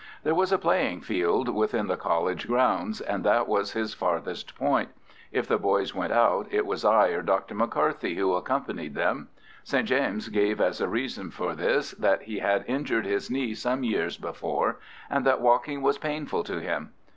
There was a playing field within the college grounds, and that was his farthest point. If the boys went out, it was I or Dr. McCarthy who accompanied them. St. James gave as a reason for this that he had injured his knee some years before, and that walking was painful to him.